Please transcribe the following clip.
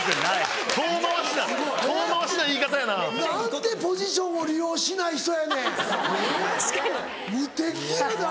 はい。